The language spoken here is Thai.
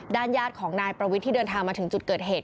ญาติของนายประวิทย์ที่เดินทางมาถึงจุดเกิดเหตุ